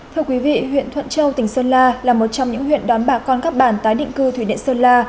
thưa quý vị huyện thuận châu tỉnh sơn la là một trong những huyện đón bà con các bản tái định cư thủy điện sơn la